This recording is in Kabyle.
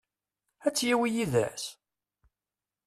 Ad t-yawi yid-s?